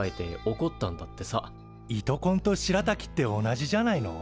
糸こんとしらたきって同じじゃないの？